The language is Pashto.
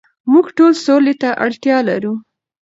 موږ ټول سولې ته اړتیا لرو.